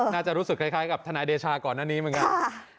น่าจะรู้สึกคล้ายกับทนายเดชาก่อนหน้านี้เหมือนกัน